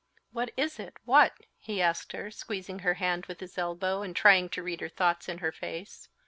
"What is it? what?" he asked her, squeezing her hand with his elbow, and trying to read her thoughts in her face.